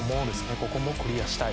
ここもクリアしたい。